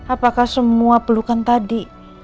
apakah semua pelukan tadi